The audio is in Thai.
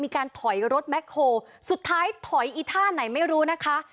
มีการถอยรถแบ็คโฮลสุดท้ายถอยอีท่าไหนไม่รู้นะคะ